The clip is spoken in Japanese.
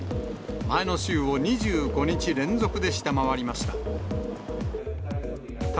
前の週を２５日連続で下回りました。